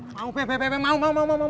mau bang mau bang mau mau mau